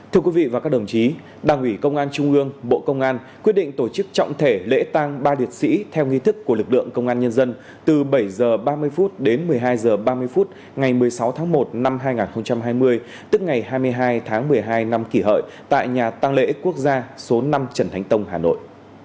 thưa quý vị và các đồng chí đảng ủy công an trung ương bộ công an quyết định tổ chức trọng thể lễ tang ba liệt sĩ theo nghi thức của lực lượng công an nhân dân từ bảy h ba mươi đến một mươi hai h ba mươi phút ngày một mươi sáu tháng một năm hai nghìn hai mươi tức ngày hai mươi hai tháng một mươi hai năm kỷ hợi tại nhà tăng lễ quốc gia số năm trần thánh tông hà nội